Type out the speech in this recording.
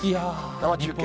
生中継。